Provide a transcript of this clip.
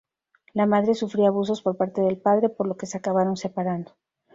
La madre sufría abusos por parte del padre, por lo que se acabaron separando.